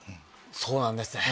そうなんです。